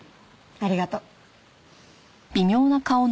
ありがとう。